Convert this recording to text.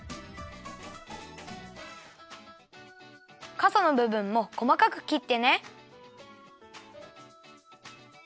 かさのぶぶんもこまかくきってね。